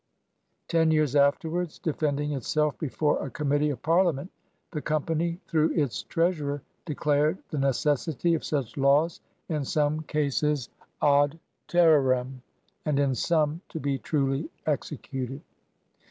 Ten years afterwards, defending itself before a Committee of Parliament, the Company through its Treasurer declared "the necessity of such laws, in some cases cd terrarem, and in some to be truly executed."